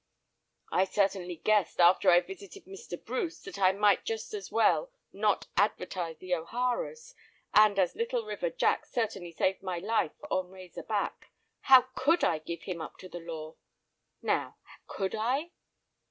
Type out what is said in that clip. I certainly guessed after I visited Mr. Bruce that I might just as well not advertise the O'Haras, and as Little River Jack certainly saved my life on Razor Back, how could I give him up to the law? Now, could I?"